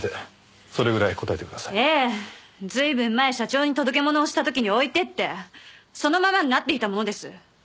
ええ随分前社長に届け物をした時に置いていってそのままになっていたものです。